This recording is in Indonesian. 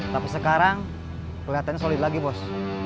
tapi sekarang kelihatan solid lagi bos